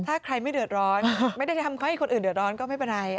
ถ้าใครไม่เดือดร้อนไม่ได้ทำให้คนอื่นเดือดร้อนก็ไม่เป็นไร